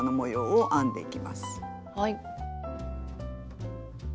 はい。